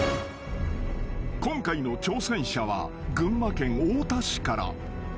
［今回の挑戦者は群馬県太田市から］